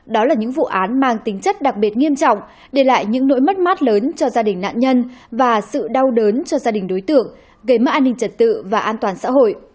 đó là những vụ án mang tính chất đặc biệt nghiêm trọng để lại những nỗi mất mát lớn cho gia đình nạn nhân và sự đau đớn cho gia đình đối tượng gây mất an ninh trật tự và an toàn xã hội